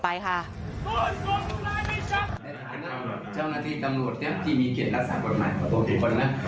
ในฐานนะเจ้าหน้าที่ตำรวจเนี่ยที่มีเกียรติศาสตร์กฎหมายของทุกคนนะ